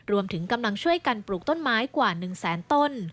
รวมถึงกำลังช่วยกันปลูกต้นไม้กว่า๑แสนต้น